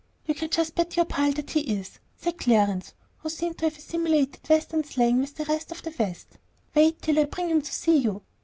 "You can just bet your pile that he is," said Clarence, who seemed to have assimilated Western slang with the rest of the West. "Wait till I bring him to see you.